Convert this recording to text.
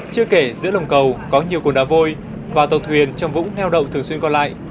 chưa kể giữa lồng cầu có nhiều cồn đá vôi và tàu thuyền trong vũng neo đậu thường xuyên còn lại